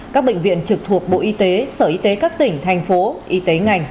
các bệnh viện trực thuộc bộ y tế sở y tế các tỉnh thành phố y tế ngành